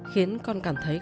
khiến con cảm thấy khó